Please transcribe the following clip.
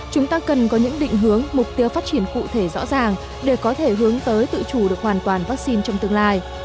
chúng ta cần có những định hướng mục tiêu phát triển cụ thể rõ ràng để có thể hướng tới tự chủ được hoàn toàn vaccine trong tương lai